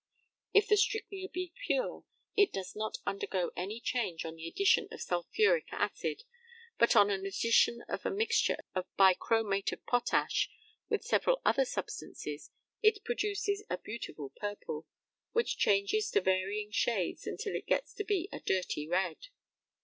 If the strychnia be pure, it does not undergo any change on the addition of sulphuric acid, but on an addition of a mixture of bichromate of potash, with several other substances, it produces a beautiful purple, which changes to varying shades until it gets to be a dirty red.